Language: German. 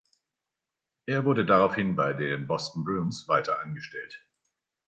Er wurde daraufhin bei den Boston Bruins weiter angestellt.